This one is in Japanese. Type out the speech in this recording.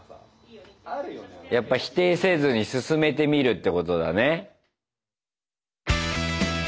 やっぱ否定せずに進めてみるってことだね。